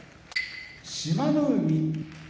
志摩ノ海